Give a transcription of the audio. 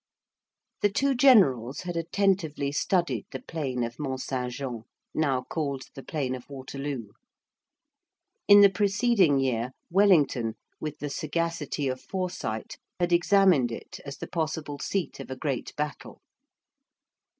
The two generals had attentively studied the plain of Mont Saint Jean, now called the plain of Waterloo. In the preceding year, Wellington, with the sagacity of foresight, had examined it as the possible seat of a great battle.